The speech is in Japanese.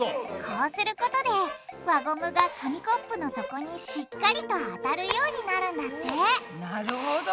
こうすることで輪ゴムが紙コップの底にしっかりと当たるようになるんだってなるほど。